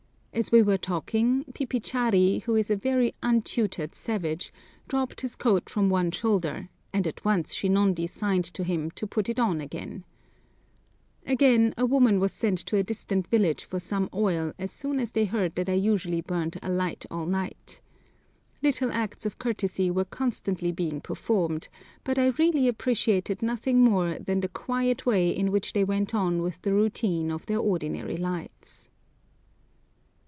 As we were talking, Pipichari, who is a very "untutored" savage, dropped his coat from one shoulder, and at once Shinondi signed to him to put it on again. Again, a woman was sent to a distant village for some oil as soon as they heard that I usually burned a light all night. Little acts of courtesy were constantly being performed; but I really appreciated nothing more than the quiet way in which they went on with the routine of their ordinary lives.